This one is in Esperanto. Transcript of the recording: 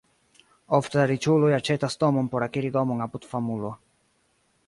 Ofte la riĉuloj aĉetas domon por akiri domon apud famulo.